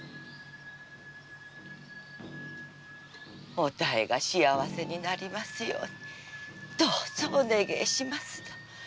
お妙が幸せになりますようにどうぞお願ぇしますだ。